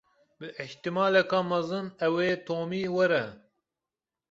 Bi îhtîmaleke mezin ew ê Tomî were.